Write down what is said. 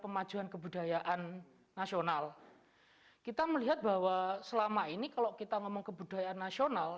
kemajuan kebudayaan nasional kita melihat bahwa selama ini kalau kita ngomong kebudayaan nasional